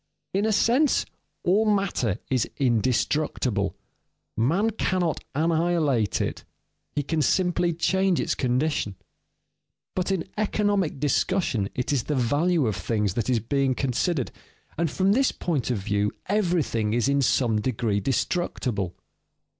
In a sense, all matter is indestructible. Man cannot annihilate it, he can simply change its condition. But in economic discussion it is the value of things that is being considered, and from this point of view everything is in some degree destructible.